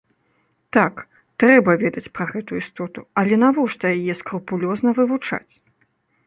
Так, трэба ведаць пра гэтую істоту, але навошта яе скрупулёзна вывучаць?